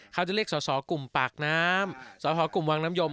เขาจะเรียกสอสอกลุ่มปากน้ำสสกลุ่มวังน้ำยม